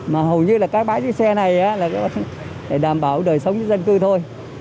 mà hầu như là các bãi dưới xe này là đảm bảo đời sống dưới dân cư thôi